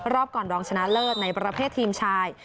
รอบก่อนรองชนะเลิศในประเภททีมชาย